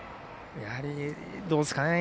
やはり、どうですかね。